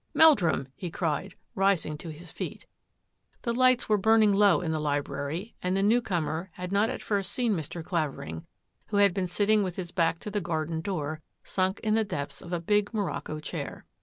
" Meldrum !" he cried, rising to his feet. The lights were burning low in the library, and the newcomer had not at first seen Mr. Clavering, who had been sitting with his back to the garden door, sunk in the depths of a big Morocco chair.